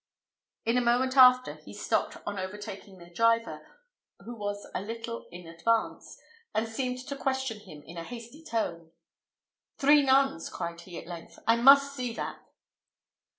In a moment after he stopped on overtaking their driver, who was a little in advance, and seemed to question him in a hasty tone. "Three nuns!" cried he, at length. "I must see that."